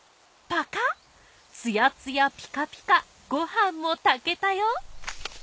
ぱかっつやつやぴかぴかごはんもたけたよ！